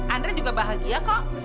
andre juga bahagia kok